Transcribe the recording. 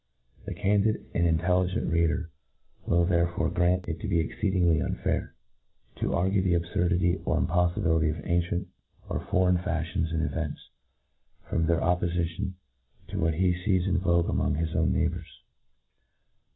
The candid and intelligent read er will, therefore, grant it to be exceeding unfair, to argue the abfurdity ox impoflibility of ancient or foreign fafhions and events, from their oppofi tion to what he fees in vogue among his own neighbours.